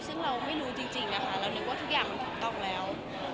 ซึ่งเราไม่รู้จริงนะคะเรานึกว่าทุกอย่างมันถูกต้องแล้ว